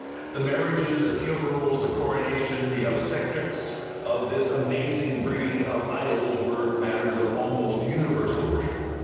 The marriages, the funerals, the coronations, the obstetrics of this amazing breed of idols were matters of almost universal worship.